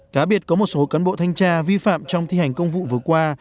cá biệt có một số cán bộ thanh tra vi phạm trong thi hành công vụ vừa qua